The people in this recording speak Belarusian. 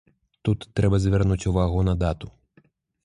Тут трэба звярнуць увагу на дату.